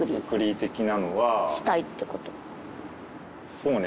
そうね。